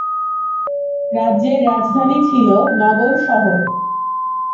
রাজ্যের রাজধানী ছিল "নগর" শহর।